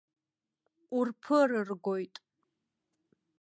Урԥырыргоит.